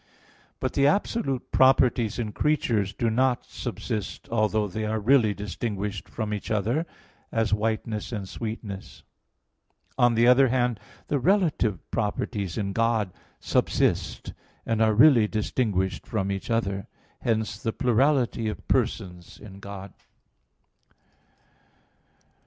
But the absolute properties in creatures do not subsist, although they are really distinguished from each other, as whiteness and sweetness; on the other hand, the relative properties in God subsist, and are really distinguished from each other (Q. 28, A. 3). Hence the plurality of persons in God.